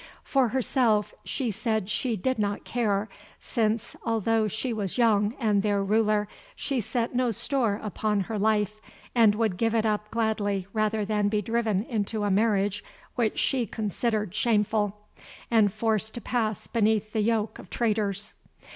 For herself she said she did not care, since, although she was young and their ruler, she set no store upon her life, and would give it up gladly rather than be driven into a marriage which she considered shameful, and forced to pass beneath the yoke of traitors.